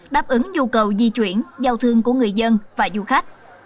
đáp ứng nhu cầu di chuyển giao thương của người dân và du khách